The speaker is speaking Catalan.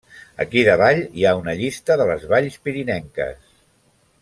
Aquí davall hi ha una llista de les valls pirinenques.